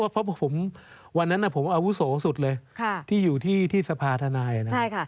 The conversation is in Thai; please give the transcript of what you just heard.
เพราะวันนั้นผมอาวุโสสุดเลยที่อยู่ที่สภาธนายนะครับ